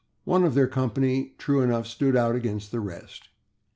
One of their company, true enough, stood out against the rest.